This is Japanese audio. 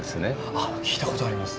あっ聞いた事あります。